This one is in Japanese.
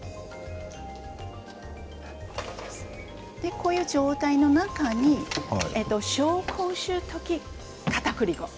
こういう状態の中に紹興酒溶きかたくり粉。